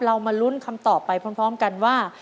มาลุ้นคำตอบไปพร้อมกันว่า